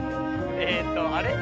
えーっとあれ？